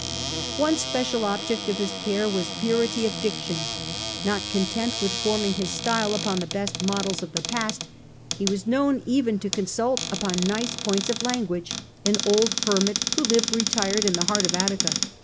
One special object of his care was purity of diction. Not content with forming his style upon the best models of the past, he was known even to consult upon nice points of language an old hermit who lived retired in the heart of Attica.